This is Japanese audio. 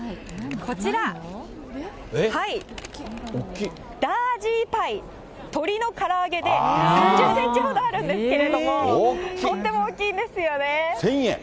こちら、ダージーパイ、鶏のから揚げで３０センチほどあるんですけれども、１０００円。